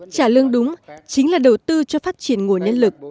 trả lương đúng chính là đầu tư cho phát triển nguồn nhân lực